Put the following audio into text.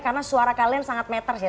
karena suara kalian sangat matters ya